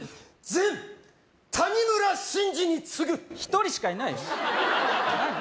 全谷村新司に告ぐ１人しかいない何？